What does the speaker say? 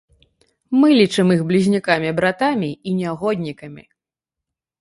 Мы лічым іх блізнюкамі-братамі і нягоднікамі.